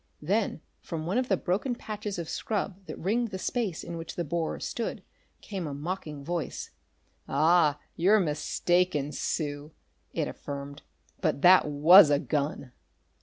Then, from one of the broken patches of scrub that ringed the space in which the borer stood, came a mocking voice. "Ah, you're mistaken, Sue," it affirmed. "But that was a gun."